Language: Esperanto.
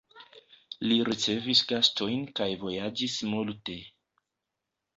Li ricevis gastojn kaj vojaĝis multe.